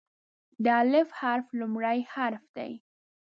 د "الف" حرف لومړی حرف دی.